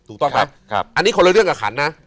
ถูกต้อนไหมอันนี้คนละเรื่องกับขหนแม้